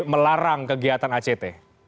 melarang kegiatan act